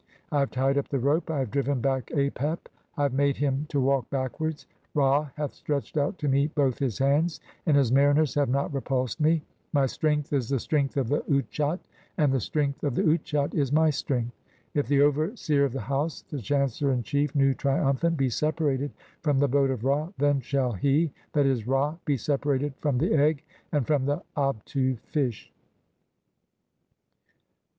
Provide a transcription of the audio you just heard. I have tied up the rope, I have driven back Apep, "I have made him to walk backwards. (7) Ra hath stretched "out to me both his hands, and his mariners have not repulsed "me ; my strength is the strength of the Utchat, and the strength "of the Utchat is my strength. (8) If the overseer of the house, "the chancellor in chief, Nu, triumphant, be separated [from the "boat of Ra], then shall he (;'.<?., Ra) be separated (9) from the "Egg and from the Abtu fish.